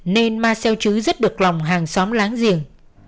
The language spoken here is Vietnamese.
nên má diệp chứ rất được lòng hàng xóm láng giềng